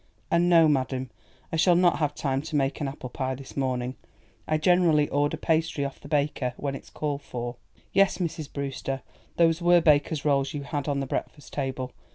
And "No, madam, I shall not have time to make an apple pie this morning; I generally order pastry of the baker when it's called for. Yes, Mrs. Brewster, those were baker's rolls you had on the breakfast table.